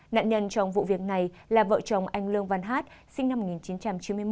nạn nhân trong vụ việc này là vợ chồng anh lương văn hát sinh năm một nghìn chín trăm chín mươi một